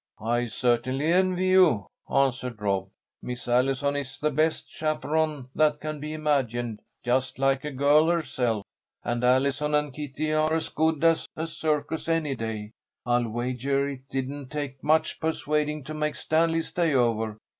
"I certainly envy you," answered Rob. "Miss Allison is the best chaperone that can be imagined, just like a girl herself; and Allison and Kitty are as good as a circus any day. I'll wager it didn't take much persuading to make Stanley stay over.